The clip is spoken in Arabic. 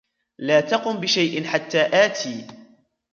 لا تقم بشيء حتى آتي.